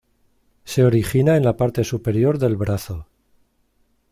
Se origina en la parte superior del brazo.